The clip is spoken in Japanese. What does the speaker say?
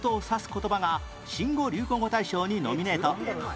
言葉が新語・流行語大賞にノミネート